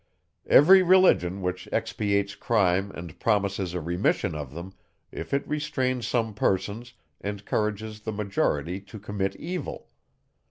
Every Religion, which expiates crime and promises a remission of them, if it restrain some persons, encourages the majority to commit evil.